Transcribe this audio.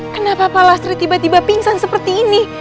kenapa palasri tiba tiba pingsan seperti ini